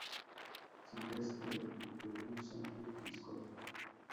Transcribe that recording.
Silvestre y Piolín son sus mascotas.